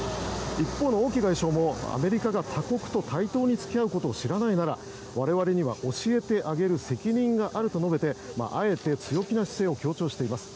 一方で王毅外相もアメリカが他国と対等に付き合うことを知らないなら我々には教えてあげる責任があると述べてあえて強気な姿勢を強調しています。